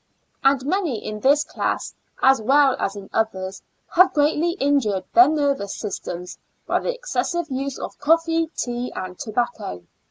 And many in this class, as well as in others, have greatly injured their nervous s^^stem by the excessive use of coffee, tea and tobacco.